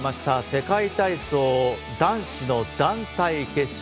世界体操男子の団体決勝。